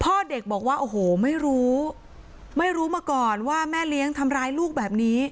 พ่อเด็กบอกว่าโอ้โหไม่รู้ไม่รู้มาก่อนว่าแม่เลี้ยงทำร้ายลูกแบบนี้